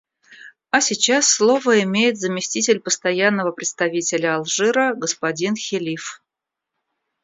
А сейчас слово имеет заместитель Постоянного представителя Алжира господин Хелиф.